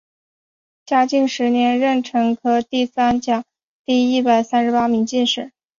嘉靖十一年壬辰科第三甲第一百八十三名进士。